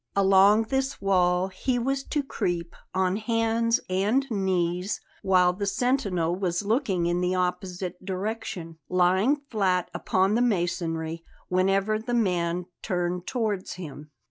Along this wall he was to creep on hands and knees while the sentinel was looking in the opposite direction, lying flat upon the masonry whenever the man turned towards him.